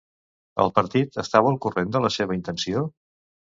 El partit estava al corrent de la seva intenció?